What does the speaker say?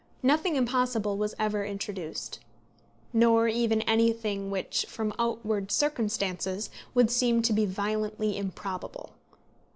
Nothing impossible was ever introduced, nor even anything which, from outward circumstances, would seem to be violently improbable.